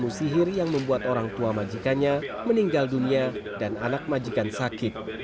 tengah ini adalah sebuah sihir yang membuat orang tua majikannya meninggal dunia dan anak majikan sakit